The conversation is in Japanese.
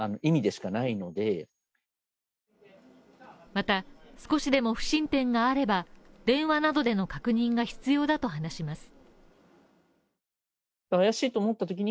また少しでも不審点があれば、電話などでの確認が必要だと話します。